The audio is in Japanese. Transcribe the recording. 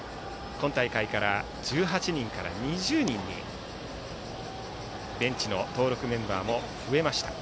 今大会から１８人から２０人にベンチの登録メンバーも増えました。